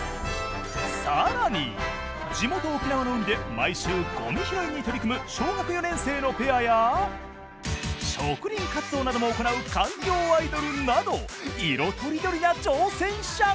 更に地元沖縄の海で毎週ごみ拾いに取り組む小学４年生のペアや植林活動なども行う環境アイドルなど色とりどりな挑戦者が。